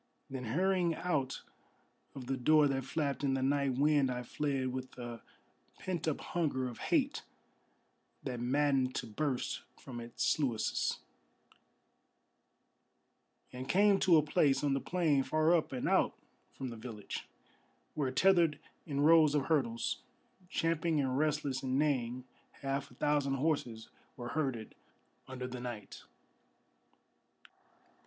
Then hurrying out of the door that flapped in the night wind I fled, With a pent up hunger of hate that maddened to burst from its sluices, And came to a place on the plain far up and out from the village, Where tethered in rows of hurdles, champing and restless and neighing, Half a thousand horses were herded under the night.